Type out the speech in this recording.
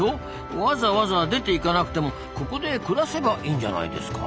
わざわざ出ていかなくてもここで暮らせばいいんじゃないですか？